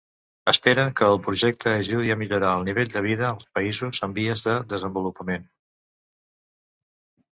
Espera que el projecte ajudi a millorar el nivell de vida als països en vies de desenvolupament.